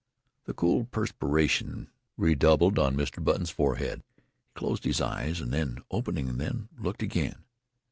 The cool perspiration redoubled on Mr. Button's forehead. He closed his eyes, and then, opening them, looked again.